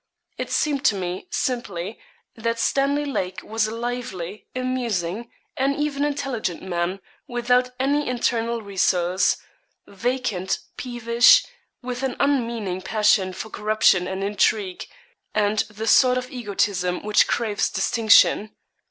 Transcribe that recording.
It seemed to me, simply, that Stanley Lake was a lively, amusing, and even intelligent man, without any internal resource; vacant, peevish, with an unmeaning passion for corruption and intrigue, and the sort of egotism which craves distinction.